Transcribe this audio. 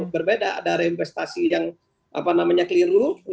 berbeda ada reinvestasi yang keliru